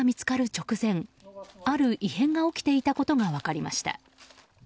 直前ある異変が起きていたことが分かりました。